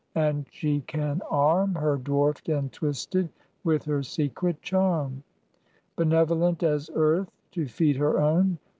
And she can arm Her dwarfed and twisted with her secret charm; Benevolent as Earth to feed her own.